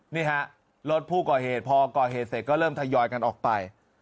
นี่ฮะรถผู้ก่อเหตุพอก่อเหตุเสร็จก็เริ่มทยอยกันออกไป